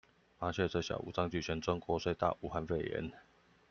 麻雀雖小，五臟俱全；中國雖大，武漢肺炎